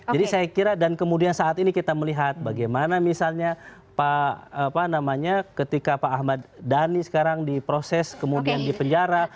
jadi saya kira dan kemudian saat ini kita melihat bagaimana misalnya ketika pak ahmad dhani sekarang diproses kemudian di penjara